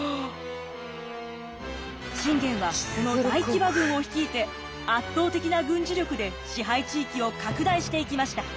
信玄はこの大騎馬軍を率いて圧倒的な軍事力で支配地域を拡大していきました。